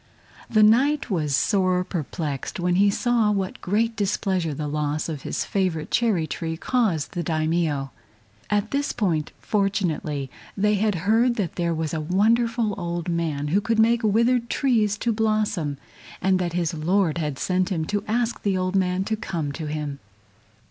The Knight was sore perplexed when he saw what great displeasure the loss of his favorite cherry tree caused the Daimio. At this point, fortunately, they had heard that there was a wonderful old man who could make withered trees to blossom, and that his Lord had sent him to ask the old man to come to him.